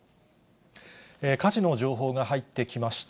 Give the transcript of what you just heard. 火事の情報が入ってきました。